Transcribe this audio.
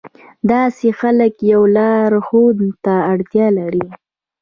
داسې خلک يوه لارښود ته اړتيا لري.